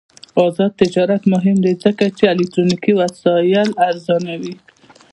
آزاد تجارت مهم دی ځکه چې الکترونیکي وسایل ارزانوي.